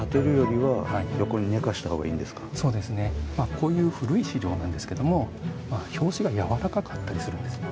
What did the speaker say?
こういう古い資料なんですけども表紙がやわらかかったりするんですね。